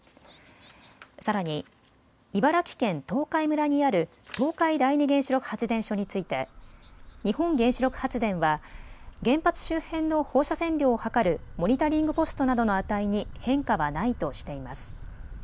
さらに茨城県東海村にある東海第二原子力発電所について日本原子力発電は原発周辺の放射線量を測るモニタリングポストなどの値に変化はないとしています。